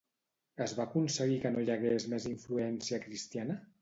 Es va aconseguir que no hi hagués més influència cristiana?